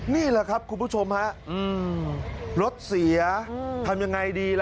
นี่แหละครับคุณผู้ชมคะรถเสียทำอย่างไรดี